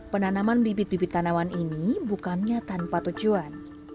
penanaman bibit bibit tanaman ini bukannya tanpa tujuan